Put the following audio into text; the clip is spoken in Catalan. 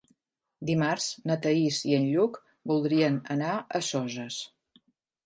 Dimarts na Thaís i en Lluc voldrien anar a Soses.